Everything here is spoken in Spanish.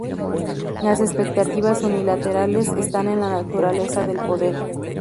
Las expectativas unilaterales están en la naturaleza del poder.